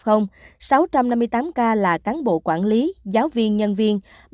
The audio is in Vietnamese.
sáu trăm năm mươi tám ca là cán bộ quản lý giáo viên nhân viên